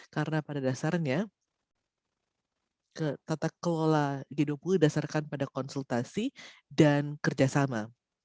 karena pada dasarnya tata kelola g dua puluh dasarkan pada konsultasi dan kerjasama